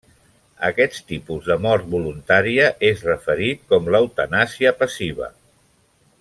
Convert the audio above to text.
Aquest tipus de mort voluntària és referit com l'eutanàsia passiva.